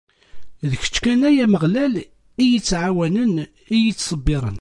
D kečč, ay Ameɣlal, i iyi-ittɛawanen, i iyi-ittṣebbiren!